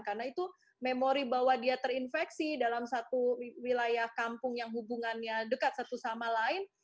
karena itu memori bahwa dia terinfeksi dalam satu wilayah kampung yang hubungannya dekat satu sama lain